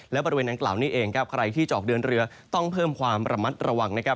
ในบริเวณอังกฤษต้องเพิ่มภาระมันระวัง